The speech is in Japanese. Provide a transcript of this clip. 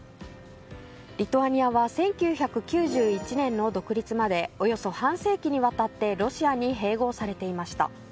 リトアニアは１９９１年の独立までおよそ半世紀にわたってロシアに併合されていました。